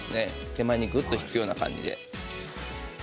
手前にぐっと引くような感じで。